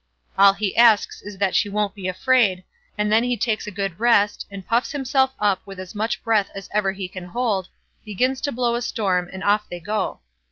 All he asks is that she won't be afraid, and then he takes a good rest, and puffs himself up with as much breath as ever he can hold, begins to blow a storm, and off they go.